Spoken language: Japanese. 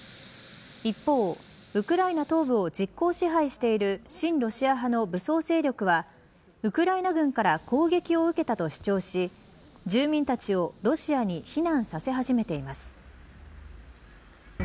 一方、ウクライナ東部を実効支配している親ロシア派の武装勢力はウクライナ軍から攻撃を受けたと主張し住民たちをロシアに避難させ始めています。